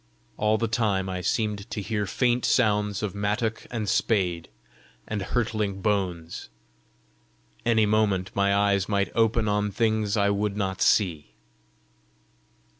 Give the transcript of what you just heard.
All the time I seemed to hear faint sounds of mattock and spade and hurtling bones: any moment my eyes might open on things I would not see!